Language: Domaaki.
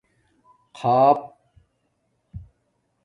خاپ